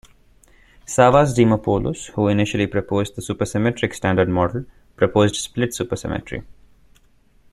Savas Dimopoulos, who initially proposed the supersymmetric Standard Model, proposed split supersymmetry.